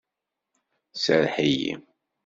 Serreḥ-iyi!